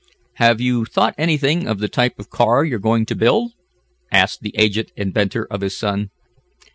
"Have you thought anything of the type of car you are going to build?" asked the aged inventor of his son.